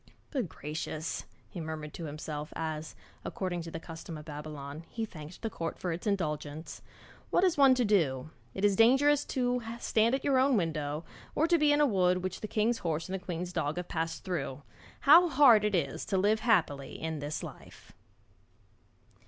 'Good gracious!' he murmured to himself as, according to the custom of Babylon, he thanked the court for its indulgence. 'What is one to do? It is dangerous to stand at your own window, or to be in a wood which the king's horse and the queen's dog have passed through. How hard it is to live happily in this life!'